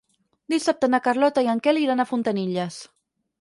Dissabte na Carlota i en Quel iran a Fontanilles.